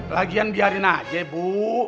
lagian biarin aja bu